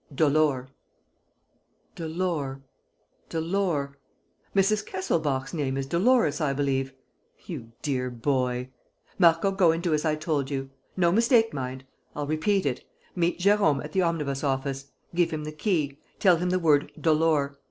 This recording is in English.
"Dolor." "Dolor ... Dolor ... Mrs. Kesselbach's name is Dolores, I believe? You dear boy! ... Marco, go and do as I told you. ... No mistake, mind! I'll repeat it: meet Jérôme at the omnibus office, give him the key, tell him the word: Dolor.